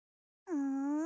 うん？